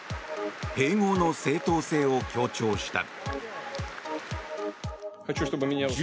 併合の正当性を強調した。